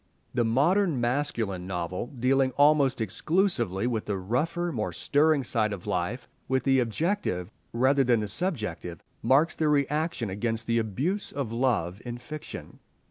The modern masculine novel, dealing almost exclusively with the rougher, more stirring side of life, with the objective rather than the subjective, marks the reaction against the abuse of love in fiction.